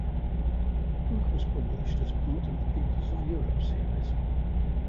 The books was published as part of the "The Peoples of Europe" series.